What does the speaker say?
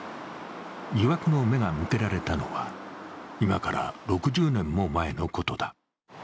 疑惑の目が向けられたのは今から６０年も前のことだ。